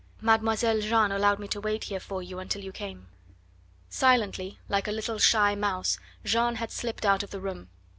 Mademoiselle Jeanne allowed me to wait here for you until you came." Silently, like a little shy mouse, Jeanne had slipped out of the room.